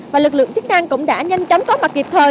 và lực lượng chức năng cũng đã nhanh chóng có mặt kịp thời